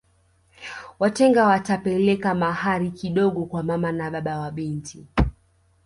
Watenga watapeleka mahari kidogo kwa mama na baba wa binti